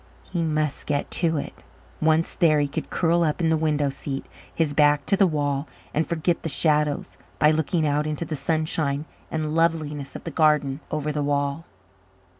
He must get to it; once there, he could curl up in the window seat, his back to the wall, and forget the shadows by looking out into the sunshine and loveliness of the garden over the wall.